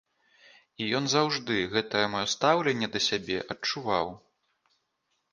І ён заўжды гэтае маё стаўленне да сябе адчуваў.